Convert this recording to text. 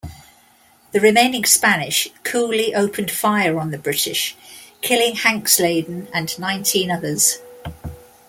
The remaining Spanish coolly opened fire on the British, killing Hanxleden and nineteen others.